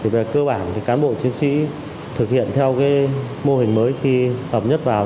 về cơ bản cán bộ chiến sĩ thực hiện theo mô hình mới khi hợp nhất vào